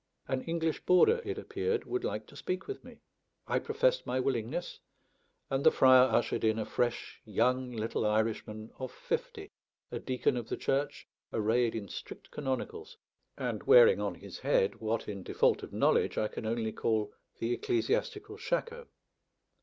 An English boarder, it appeared, would like to speak with me. I professed my willingness, and the friar ushered in a fresh, young, little Irishman of fifty, a deacon of the Church, arrayed in strict canonicals, and wearing on his head what, in default of knowledge, I can only call the ecclesiastical shako.